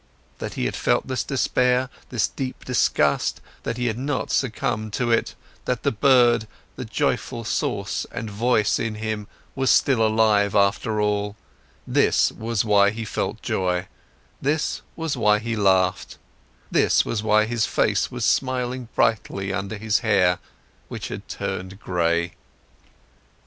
That he had felt this despair, this deep disgust, and that he had not succumbed to it, that the bird, the joyful source and voice in him was still alive after all, this was why he felt joy, this was why he laughed, this was why his face was smiling brightly under his hair which had turned gray.